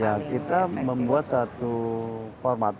ya kita membuat satu format